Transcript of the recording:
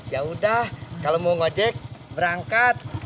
yaudah kalo mau ngojek berangkat